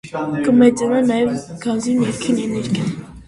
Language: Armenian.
Կմեծանա նաև գազի ներքին էներգիան։